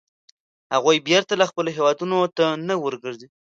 هغوی بېرته خپلو هیوادونو ته نه ورګرځي.